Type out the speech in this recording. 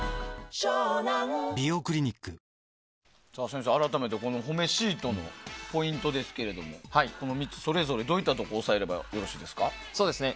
先生、改めてほめシートのポイントですけれども３つそれぞれどういったところを押さえればいいですか？